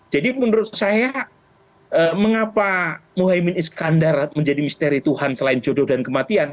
jadi menurut saya mengapa muhaymin iskandar menjadi misteri tuhan selain jodoh dan kematian